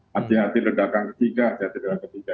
hati hati ledakan ketiga hati hati ledakan ketiga